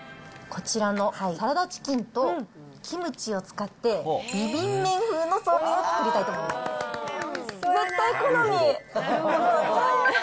こちらのサラダチキンとキムチを使って、ビビン麺風のそうめんを作りたいと思います。